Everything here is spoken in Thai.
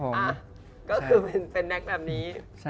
ตอนแรกยาวกว่านี้แล้วเพิ่งตัดได้๒อาทิตย์มั้งค่ะ